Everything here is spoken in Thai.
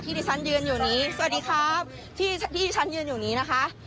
ที่ที่ฉันยืนอยู่นี้สวัสดีครับที่ที่ฉันยืนอยู่นี้นะคะ